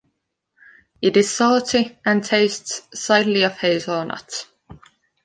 It is salty and tastes slightly of hazelnut.